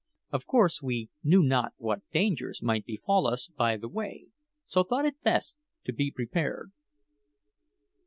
Of course we knew not what dangers might befall us by the way, so thought it best to be prepared.